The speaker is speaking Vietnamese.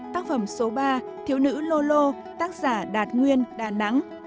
tác phẩm số ba thiếu nữ lô lô tác giả đạt nguyên đà nẵng